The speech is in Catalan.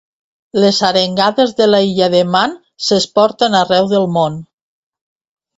Les arengades de l'Illa de Man s'exporten arreu del món.